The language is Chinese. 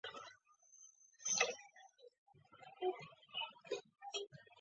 拉热伊翁。